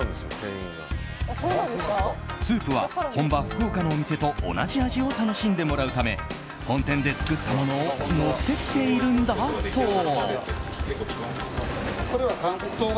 スープは本場・福岡のお店と同じ味を楽しんでもらうため本店で作ったものを持ってきているんだそう。